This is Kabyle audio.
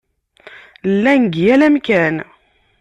Llan deg yal amkan.